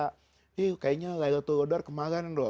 kayaknya laylatul qadar kemarin loh